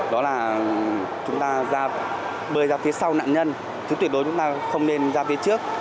đó là chúng ta bơi ra phía sau nạn nhân chứ tuyệt đối chúng ta không nên ra phía trước